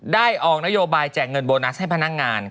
ออกนโยบายแจกเงินโบนัสให้พนักงาน